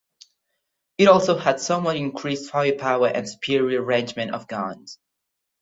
It also had somewhat increased firepower and superior arrangement of guns.